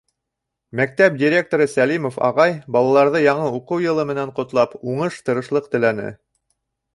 Мәктәп директоры Сәлимов ағай, балаларҙы яңы уҡыу йылы менән ҡотлап, уңыш, тырышлыҡ теләне.